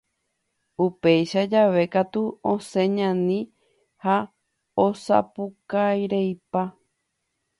Upéicha jave katu osẽ oñani ha osapukaireipa.